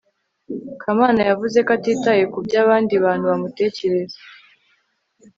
kamana yavuze ko atitaye kubyo abandi bantu bamutekereza